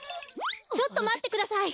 ちょっとまってください。